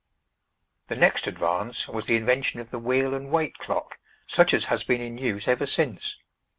The next advance was the invention of the wheel and weight clock, such as has been in use ever since.